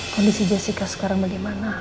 kondisi jessica sekarang bagaimana